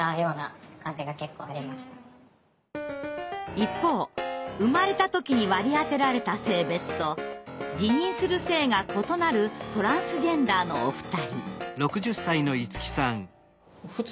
一方生まれた時に割り当てられた性別と自認する性が異なるトランスジェンダーのお二人。